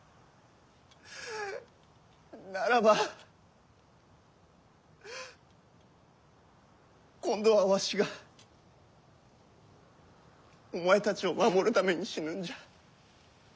ならば今度はわしがお前たちを守るために死ぬんじゃ。